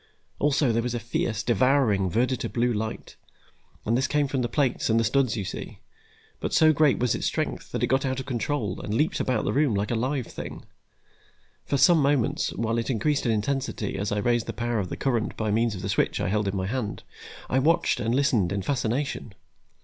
Also, there was a fierce, devouring verditer blue light, and this came from the plates and studs you see, but so great was its strength that it got out of control and leaped about the room like a live thing. For some moments, while it increased in intensity as I raised the power of the current by means of the switch I held in my hand, I watched and listened in fascination.